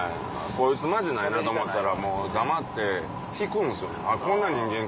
こいつマジなんやなと思ったらもう黙って引くんです。